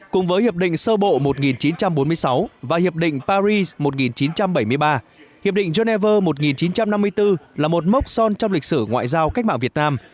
cùng với hiệp định sơ bộ một nghìn chín trăm bốn mươi sáu và hiệp định paris một nghìn chín trăm bảy mươi ba hiệp định geneva một nghìn chín trăm năm mươi bốn là một mốc son trong lịch sử ngoại giao cách mạng việt nam